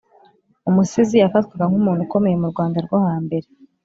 Umusizi yafatwaga nk’umuntu ukomeye mu Rwanda rwo hambere